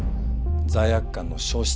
罪悪感の消失。